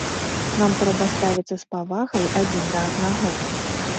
Нам трэба ставіцца з павагай адзін да аднаго.